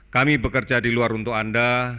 kami bekerja di luar untuk anda